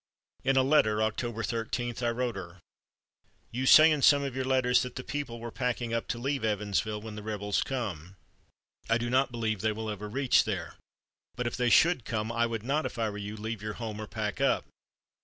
In a letter, October 13, I wrote her: "You say in some of your letters that the people were packing up to leave Evansville when the rebels come. I do not believe they will ever reach there, but if they should come I would not, if I were you, leave your home or pack up.